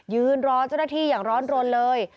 ยืนรอเจ้าหน้าที่อย่างร้อนรนเลย